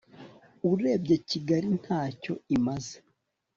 urebye kigali ntacyo imaze